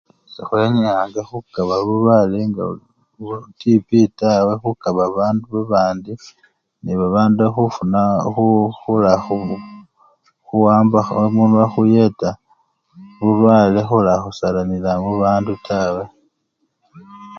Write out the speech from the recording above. Sekhwenyanga khukaba bulwale nga bwatibi taa, khukaba babandu babandi nebabandu khufuna khu! khula! khuwambakho emunwa khuyeta bulwale khula khusalanila mubandu tawe.